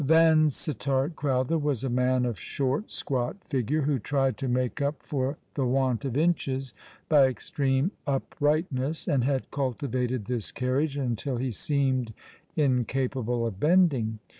Vansittart Crowther was a man of short, squat figure, who tried to make up for the want of inches by extreme uprightness, and had cultivated this carriage until he seemed incapable of bending.